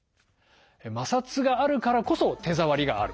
摩擦があるからこそ手触りがある。